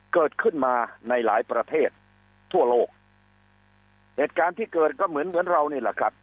เกิดขึ้นมาในหลายประเทศทั่วโลกเหตุการณ์ที่เกิดก็เหมือนเหมือนเรานี่แหละครับ